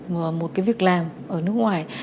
một việc làm ở nước ngoài